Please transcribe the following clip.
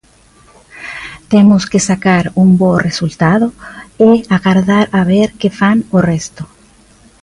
Temos que sacar un bo resultado e agardar a ver que fan o resto.